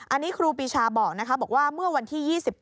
อันนี้ครูปีชาบอกนะคะบอกว่าเมื่อวันที่๒๗